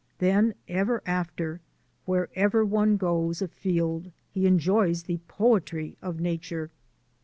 Then, ever after, wherever one goes afield he enjoys the poetry of nature.